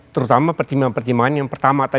terutama pertimbangan pertimbangan yang pertama tadi